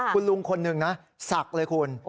คุณลุงคนนึงนะสักเลยคุณ